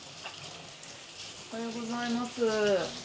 おはようございます。